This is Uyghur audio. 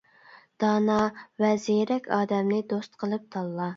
دانا ۋە زېرەك ئادەمنى دوست قىلىپ تاللا.